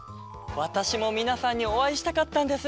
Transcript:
わたしもみなさんにおあいしたかったんです！